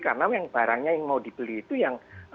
karena barangnya yang mau dibeli itu yang